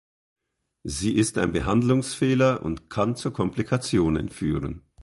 Sie ist ein Behandlungsfehler und kann zu Komplikationen führen.